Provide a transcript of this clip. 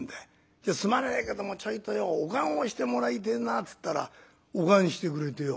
『じゃすまねえけどもちょいとよお燗をしてもらいてえな』っつったらお燗してくれてよ。